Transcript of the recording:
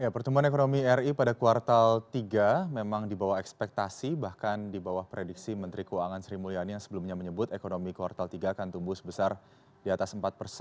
pertumbuhan ekonomi ri pada kuartal tiga memang dibawah ekspektasi bahkan dibawah prediksi menteri kuangan sri mulyani yang sebelumnya menyebut ekonomi kuartal tiga akan tumbuh sebesar di atas empat